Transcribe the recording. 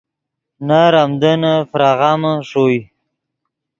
نر آمدنّے فراغامے ݰوئے